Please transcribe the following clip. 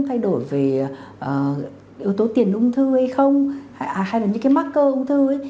thay đổi về yếu tố tiền ung thư hay không hay là những cái marker ung thư ấy